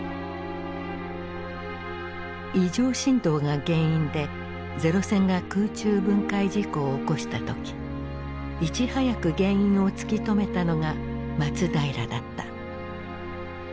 異常振動が原因で零戦が空中分解事故を起こした時いち早く原因を突き止めたのが松平だった。